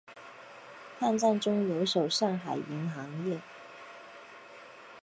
抗战中留守上海银行业。